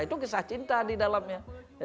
itu kisah cinta di dalamnya